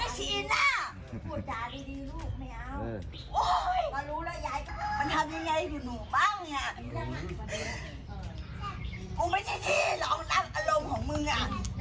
กูไม่ใช่ที่หลองดัดอารมณ์ของมึงอ่ะ